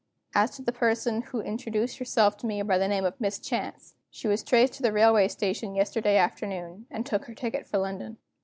As to the person who introduced herself to me by the name of Miss Chance, she was traced to the railway station yesterday afternoon, and took her ticket for London."